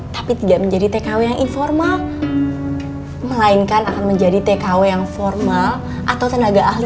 tapi tidak menjadi tkw yang informal melainkan akan menjadi tkw yang formal atau tenaga ahli